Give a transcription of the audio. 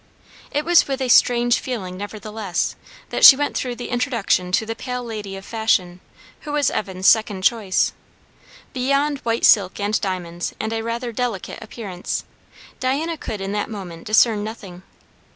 It was with a strange feeling, nevertheless, that she went through the introduction to the pale lady of fashion who was Evan's second choice. Beyond white silk and diamonds and a rather delicate appearance, Diana could in that moment discern nothing.